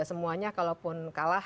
semuanya kalaupun kalah